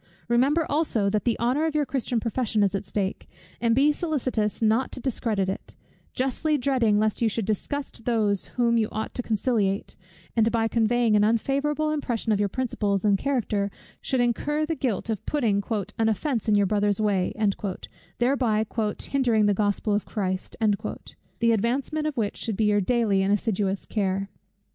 Remember also that the honour of your Christian profession is at stake, and be solicitous not to discredit it: justly dreading lest you should disgust those whom you ought to conciliate; and by conveying an unfavourable impression of your principles and character, should incur the guilt of putting an "offence in your brother's way;" thereby "hindering the Gospel of Christ," the advancement of which should be your daily and assiduous care.